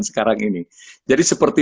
sekarang ini jadi seperti